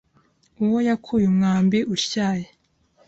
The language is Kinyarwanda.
Uwo yakuye umwambi utyaye